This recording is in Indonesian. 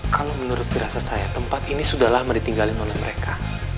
kalau menurut dirasa saya tempat ini sudahlah meritinggalin oleh mereka